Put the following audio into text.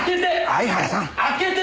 相原さん。